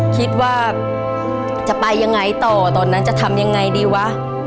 คิดว่าจะไปยังไงต่อตอนนั้นจะทำยังไงดีวะ